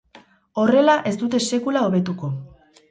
Horrela ez dute sekula hobetuko.